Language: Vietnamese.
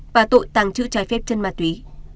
và tội tàng trữ trái phép chân ma túy